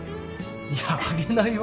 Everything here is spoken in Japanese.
いやあげないよ？